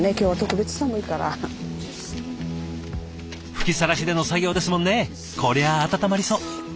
吹きさらしでの作業ですもんねこりゃ温まりそう。